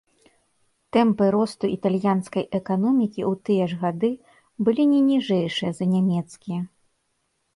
Тэмпы росту італьянскай эканомікі ў тыя ж гады былі не ніжэйшыя за нямецкія.